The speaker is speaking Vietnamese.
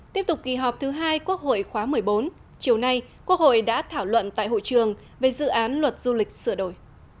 tiếp tục kỳ họp thứ hai quốc hội khóa một mươi bốn chiều nay quốc hội đã thảo luận tại hội trường về dự án luật du lịch sửa đổi